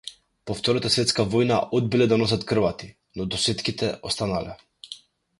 По втората светска војна одбиле да носат кравати, но досетките останале.